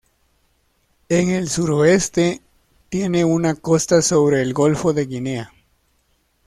En el Suroeste tiene una costa sobre el Golfo de Guinea.